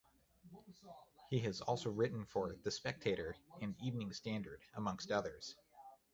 He has also written for "The Spectator" and "Evening Standard" amongst others.